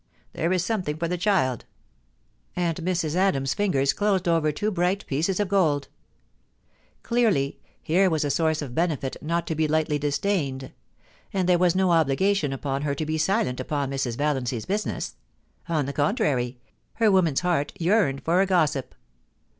There, there is something for the child ;' and Mrs. Adams's fingers closed over two bright pieces of gold Clearly, here was a source of benefit not to be lightly dis dained And there was no obligation upon her to be silent upon Mrs. Valiancy's business ; on the contrary, her woman's heart yearned for a gossip.